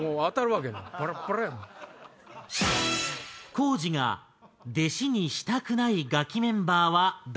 光司が弟子にしたくないガキメンバーは誰？